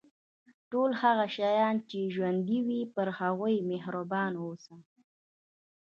ټول هغه شیان چې ژوندي وي پر هغوی مهربان اوسه.